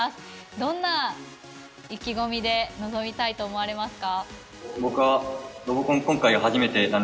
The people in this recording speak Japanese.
どんな意気込みで臨みたいと思われますか？